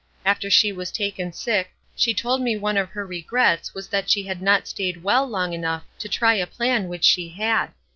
After she was taken sick, she told me one of her regrets was that she had not stayed well long enough to try a plan which she had.